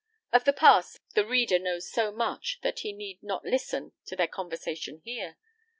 Of the past the reader knows so much that he need not listen to their conversation here.